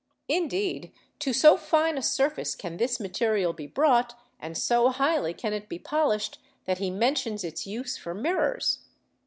Indeed, to so fine a surface can this material be brought, and so highly can it be polished, that he mentions its use for mirrors.